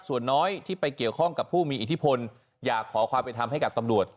ส่วนน้อยที่ไปเกี่ยวข้องกับผู้มีอิทธิพลอยากขอความเป็นธรรมให้กับตำรวจ